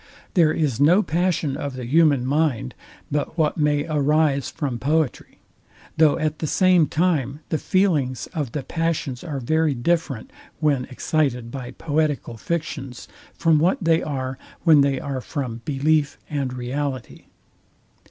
There is no passion of the human mind but what may arise from poetry; though at the same time the feelings of the passions are very different when excited by poetical fictions, from what they are when they are from belief and reality.